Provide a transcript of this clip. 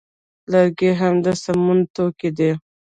لرګي هم د سون توکي دي